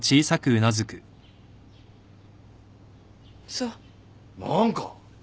そう。何か。